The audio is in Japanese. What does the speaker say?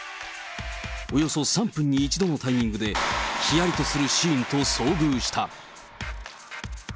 およそ３分に１度のタイミングで、ひやりとするシーンと遭遇した。